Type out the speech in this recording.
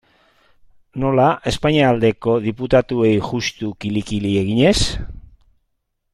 Nola, Espainia aldeko diputatuei juxtu kili-kili eginez?